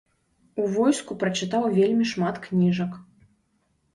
У войску прачытаў вельмі шмат кніжак.